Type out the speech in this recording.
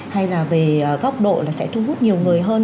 hay là về góc độ là sẽ thu hút nhiều người hơn